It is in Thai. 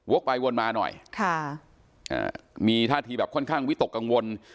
ไปวนมาหน่อยค่ะอ่ามีท่าทีแบบค่อนข้างวิตกกังวล